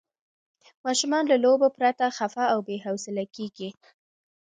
ماشومان له لوبو پرته خفه او بې حوصله کېږي.